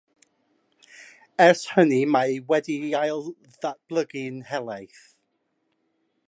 Ers hynny mae wedi'i ailddatblygu'n helaeth.